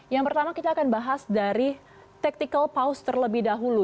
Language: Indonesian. yang pertama kita akan bahas dari tactical paus terlebih dahulu